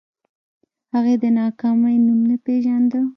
هغې د ناکامۍ نوم نه پېژانده